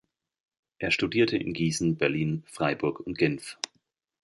Er studierte in Gießen, Berlin, Freiburg und Genf.